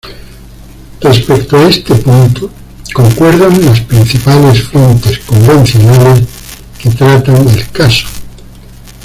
Respecto a este punto concuerdan las principales fuentes convencionales que tratan el caso.